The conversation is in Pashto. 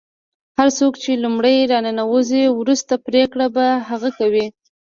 هر څوک چې لومړی راننوځي وروستۍ پرېکړه به هغه کوي.